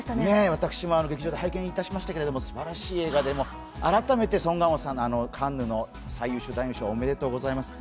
私も劇場で拝見させていただきましたけれどもすばらしい映画で、改めてソン・ガンホさんのカンヌの最優秀男優賞、おめでとうございます。